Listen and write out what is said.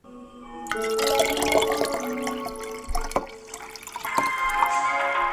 Se clasificará campeón aquel equipo que gane mayor cantidad de puntos entre ambos encuentros.